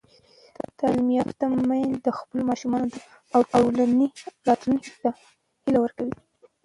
تعلیم یافته میندې د خپلو ماشومانو او ټولنې راتلونکي ته هیله ورکوي.